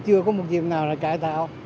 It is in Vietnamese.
chưa có một việc nào là cải tạo